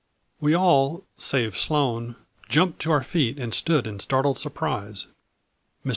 We all, save Sloane, jumped to our feet and stood in startled surprise. Mr.